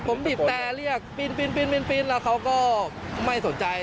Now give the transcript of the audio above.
ผมบีบแต่เรียกปีนแล้วเขาก็ไม่สนใจ